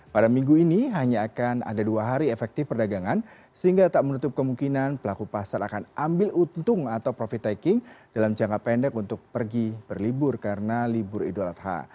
pada minggu ini hanya akan ada dua hari efektif perdagangan sehingga tak menutup kemungkinan pelaku pasar akan ambil untung atau profit taking dalam jangka pendek untuk pergi berlibur karena libur idul adha